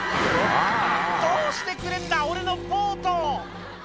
「どうしてくれんだ俺のボート！」